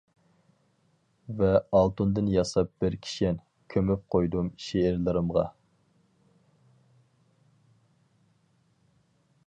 ۋە ئالتۇندىن ياساپ بىر كىشەن كۆمۈپ قويدۇم شېئىرلىرىمغا.